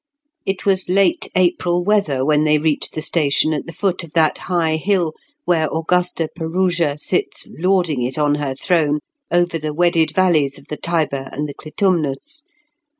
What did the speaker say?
It was late April weather when they reached the station at the foot of that high hill where Augusta Perusia sits lording it on her throne over the wedded valleys of the Tiber and the Clitumnus.